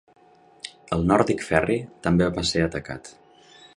El Nordic Ferry també va ser atacat.